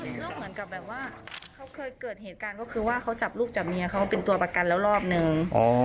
ก็เหมือนกับแบบว่าเขาเคยเกิดเหตุการณ์ก็คือว่าเขาจับลูกจับเมียเขาเป็นตัวประกันแล้วรอบนึง